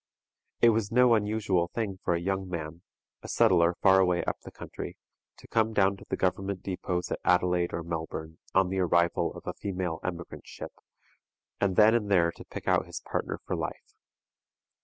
It was no unusual thing for a young man, a settler far away up the country, to come down to the government depôts at Adelaide or Melbourne on the arrival of a female emigrant ship, and then and there to pick out his partner for life.